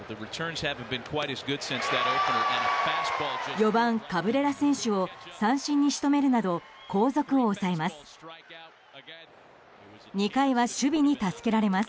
４番、カブレラ選手を三振に仕留めるなど後続を抑えます。